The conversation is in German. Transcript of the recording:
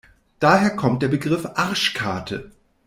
Daher kommt der Begriff Arschkarte.